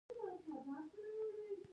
د چای رنګ لږ توره شوی و.